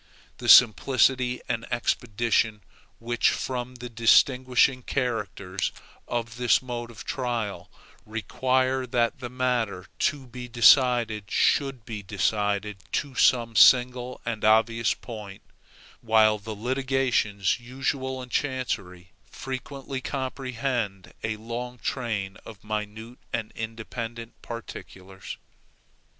The simplicity and expedition which form the distinguishing characters of this mode of trial require that the matter to be decided should be reduced to some single and obvious point; while the litigations usual in chancery frequently comprehend a long train of minute and independent particulars.